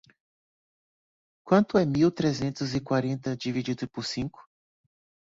Quanto é mil trezentos e quarenta dividido por cinco?